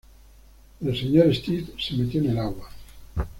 El Sr. Stead se metió en el agua.